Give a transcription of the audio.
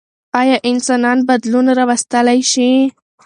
ايا انسانان بدلون راوستلی شي؟